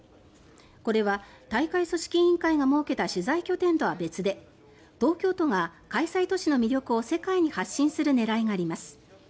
これは大会組織委員会が設けた取材拠点とは別で東京都が開催都市の魅力を世界に発信する狙いがあります。